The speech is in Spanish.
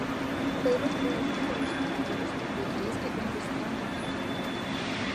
Pedro fue uno de los caballeros principales que conquistaron Málaga.